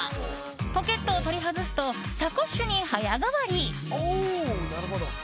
ポケットを取り外すとサコッシュに早変わり。